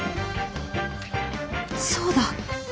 そうだ。